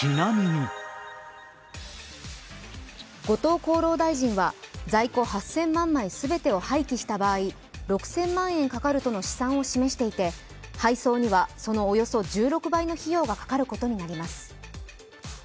後藤厚労大臣は在庫８０００万枚全てを廃棄した場合、６０００万円かかるとの試算を示していて配送には、そのおよそ１６倍の費用がかかることになります。